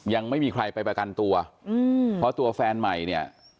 ยังไม่มีใครไปประกันตัวอืมเพราะตัวแฟนใหม่เนี่ย